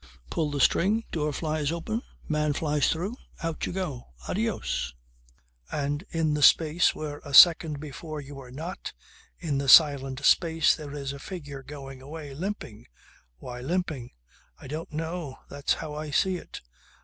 Pull the string, door flies open, man flies through: Out you go! Adios! And in the space where a second before you were not, in the silent space there is a figure going away, limping. Why limping? I don't know. That's how I see it.